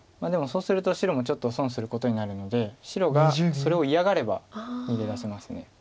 でもそうすると白もちょっと損することになるので白がそれを嫌がれば逃げ出せます。